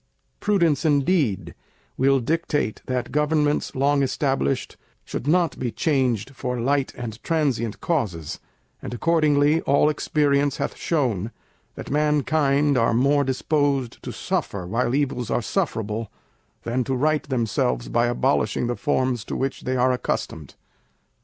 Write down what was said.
Prudence, indeed, will dictate that Governments long established should not be changed for light and transient causes; and accordingly all experience hath shown, that mankind are more disposed to suffer, while evils are sufferable, than to right themselves by abolishing the forms to which they are accustomed.